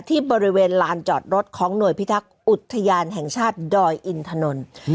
ที่บริเวณลานจอดรถของหน่วยพิทักษ์อุทยานแห่งชาติดอยอินถนน